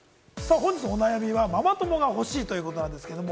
本日のお悩みがママ友が欲しいということなんですけど。